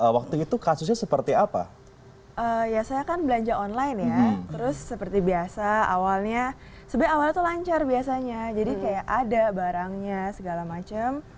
waktu itu kasusnya seperti apa ya saya kan belanja online ya terus seperti biasa awalnya sebenarnya awalnya tuh lancar biasanya jadi kayak ada barangnya segala macam